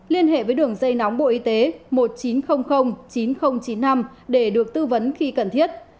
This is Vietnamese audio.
liên hệ với đường dây nóng bộ y tế một nghìn chín trăm linh chín nghìn chín mươi năm để được tư vấn khi cần thiết